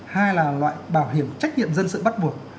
hai là loại bảo hiểm trách nhiệm dân sự bắt buộc